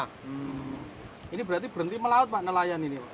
hmm ini berarti berhenti melaut pak nelayan ini pak